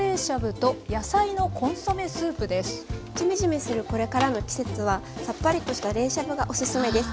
じめじめするこれからの季節はさっぱりとした冷しゃぶがおすすめです。